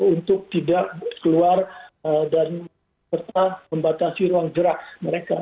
untuk tidak keluar dan serta membatasi ruang gerak mereka